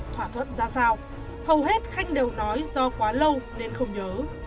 thỏa thuận ra sao hầu hết khách đều nói do quá lâu nên không nhớ